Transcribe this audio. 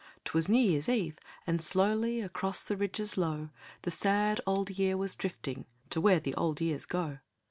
'Twas New Year's Eve, and slowly Across the ridges low The sad Old Year was drifting To where the old years go.